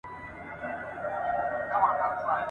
او په خپله جوړه کړل سوې